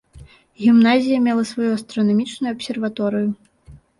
Гімназія мела сваю астранамічную абсерваторыю.